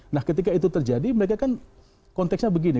nah ketika itu terjadi mereka kan konteksnya begini